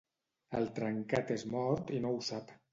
El trencat és mort i no ho sap.